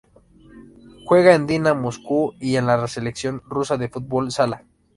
Juega en el Dina Moscú, y en la Selección Rusa de fútbol sala.